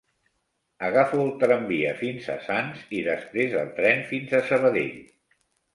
Agafo el tramvia fins a Sants i després el tren fins a Sabadell.